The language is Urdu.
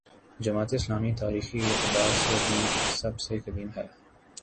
جماعت اسلامی تاریخی اعتبار سے بھی سب سے قدیم ہے۔